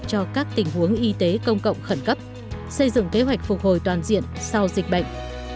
cho các tình huống y tế công cộng khẩn cấp xây dựng kế hoạch phục hồi toàn diện sau dịch bệnh